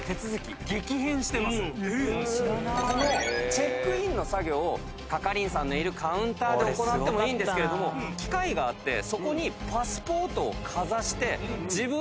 このチェックインの作業を係員さんのいるカウンターで行ってもいいんですけれども機械があってそこにパスポートをかざして自分の顔写真を撮る。